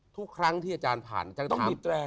ทุกครั้งที่อาจารย์ผ่านอาจารย์อาจารย์ก็ถาม